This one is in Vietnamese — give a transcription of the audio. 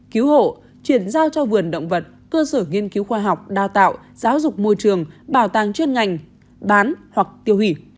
cứu hộ chuyển giao cho vườn động vật cơ sở nghiên cứu khoa học đào tạo giáo dục môi trường bảo tàng chuyên ngành bán hoặc tiêu hủy